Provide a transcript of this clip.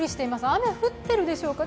雨降ってるでしょうか